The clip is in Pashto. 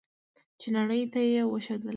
چې نړۍ ته یې وښودله.